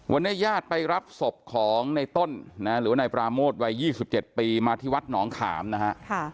วันนี้ญาติไปรับศพของในต้นหรือว่านายปราโมทวัย๒๗ปีมาที่วัดหนองขามนะฮะ